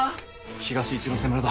東一之瀬村だ。